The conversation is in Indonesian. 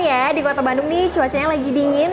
ya di kota bandung nih cuacanya lagi dingin